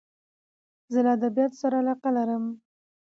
زه له ادبیاتو سره علاقه لرم.